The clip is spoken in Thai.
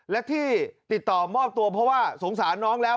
และที่ติดต่อมอบตัวเพราะว่าสงสารน้องแล้ว